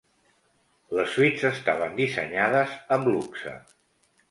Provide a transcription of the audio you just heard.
Les suites estaven dissenyades amb luxe.